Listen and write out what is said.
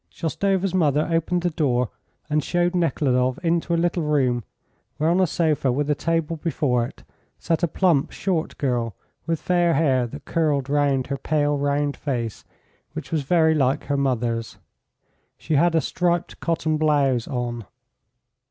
Shoustova's mother opened the door and showed Nekhludoff into a little room where on a sofa with a table before it sat a plump, short girl with fair hair that curled round her pale, round face, which was very like her mother's. She had a striped cotton blouse on.